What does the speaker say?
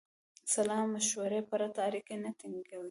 سلامشورې پرته اړیکې نه ټینګوي.